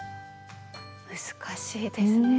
難しいですね。